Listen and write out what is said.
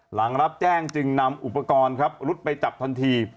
หลังรับแจ้งจึงนำอุปกรณ์ครับรุดไปจับทันที